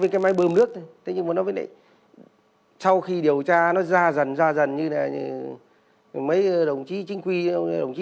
cảm nhận rõ sự thay đổi tích cực